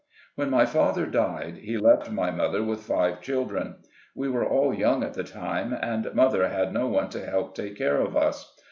When my father died, he left my mother with five children. We were all young at the time, and mother had no one to help take care of us.